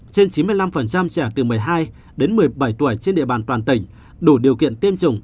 trên chín mươi năm trẻ từ một mươi hai đến một mươi bảy tuổi trên địa bàn toàn tỉnh đủ điều kiện tiêm chủng